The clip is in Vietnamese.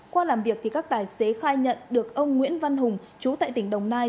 qua làm việc thì các tài xế khai nhận được ông nguyễn văn hùng chú tại tỉnh đồng nai